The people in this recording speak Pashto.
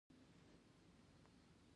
د پښتنو په کلتور کې د دستار بندی مراسم شته.